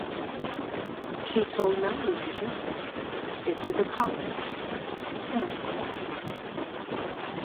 She told "Melody Maker", "It's a dichotomy, a paradox.